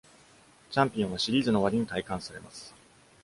チャンピオンはシーズンの終わりに戴冠されます。